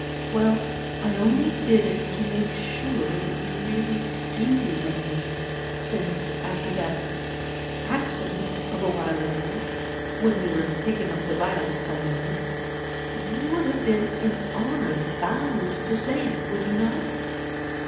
Well, I only did it to make sure that you really do love me, since, after that—accident of a while ago (when we were picking up the violets, I mean), you would have been in honour bound to say it, would you not?